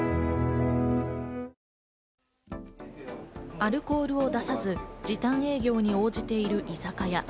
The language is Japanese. アルコールを出さず時短営業に応じている居酒屋。